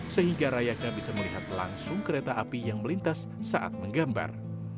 sehingga rayaka bisa melihat langsung kereta api yang melintas saat menggambar